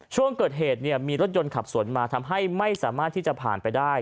ช่วงเกิดเหตุมีรถยนต์ขับสวนมาทำให้ไม่สามารถที่จะผ่านไปได้